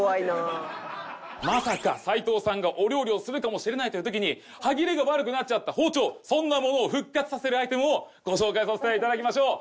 まさか齊藤さんがお料理をするかもしれないという時に歯切れが悪くなっちゃった包丁そんなものを復活させるアイテムをご紹介させて頂きましょう。